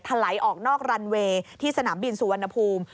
ไหลออกนอกรันเวย์ที่สนามบินสุวรรณภูมิ